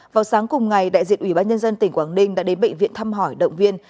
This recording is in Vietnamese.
vào sáng cùng ngày đại diện ủy ban nhân dân tỉnh quảng ninh đã đến bệnh viện thăm hỏi động viên